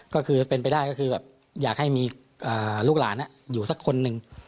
ก็คือเป็นไปได้ก็คือแบบอยากให้มีลูกหลานอยู่สักคนหนึ่ง